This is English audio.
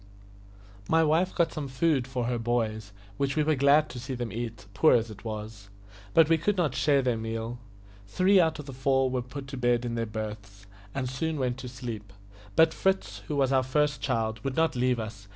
My wife got some food for her boys, which we were glad to see them eat, poor as it was; but we could not share their meal. Three out of the four were put to bed in their berths, and soon went to sleep; but Fritz, who was our first child, would not leave us.